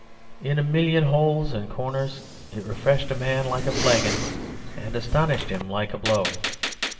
In a million holes and corners it refreshed a man like a flagon, and astonished him like a blow.